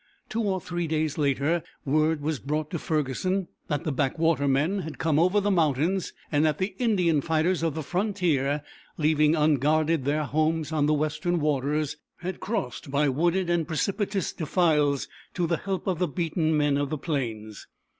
Two or three days later, word was brought to Ferguson that the Back water men had come over the mountains; that the Indian fighters of the frontier, leaving unguarded their homes on the Western Waters, had crossed by wooded and precipitous defiles to the help of the beaten men of the plains.